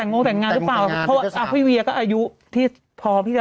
เออแบบแบบ